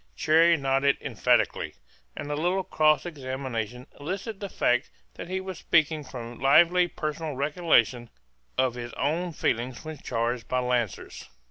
Cherrie nodded emphatically; and a little cross examination elicited the fact that he was speaking from lively personal recollection of his own feelings when charged by lancers.